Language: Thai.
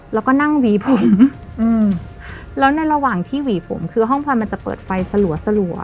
แล้วก็นั่งหวีผมอืมแล้วในระหว่างที่หวีผมคือห้องพลอยมันจะเปิดไฟสลัวสลัว